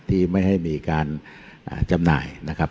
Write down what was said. ที่ไม่ให้มีการจำหน่ายนะครับ